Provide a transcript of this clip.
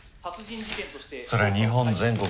そりゃ日本全国